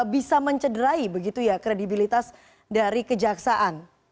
bisa mencederai begitu ya kredibilitas dari kejaksaan